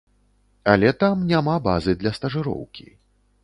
Але там няма базы для стажыроўкі.